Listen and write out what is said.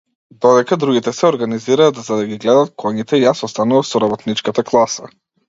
Додека другите се организираа за да ги гледаат коњите, јас останував со работничката класа.